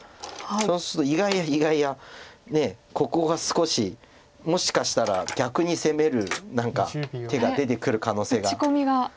そうすると意外や意外やここが少しもしかしたら逆に攻める何か手が出てくる可能性が。